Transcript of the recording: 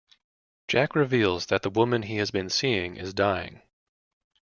Jack reveals that the woman he has been seeing is dying.